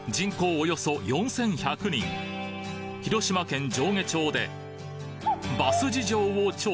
およそ４，１００人広島県上